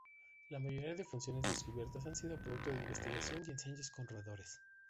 La mayoría de funciones descubiertas han sido producto de investigación y ensayos con roedores.